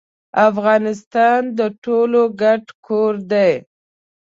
افغانستان د ټولو ګډ کور دي.